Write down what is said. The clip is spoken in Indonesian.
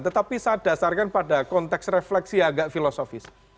tetapi saya dasarkan pada konteks refleksi agak filosofis